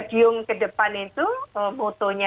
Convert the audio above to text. giung ke depan itu fotonya